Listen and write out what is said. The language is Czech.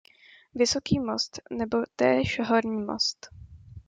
Vysoký Most nebo též Horní Most.